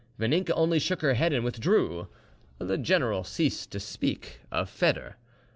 Vaninka only shook her head and withdrew. The general ceased to speak, of Foedor.